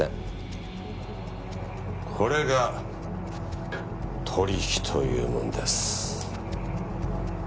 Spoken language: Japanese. これが取引というものです。